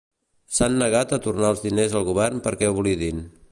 S'han negat a tornar els diners al Govern perquè oblidin.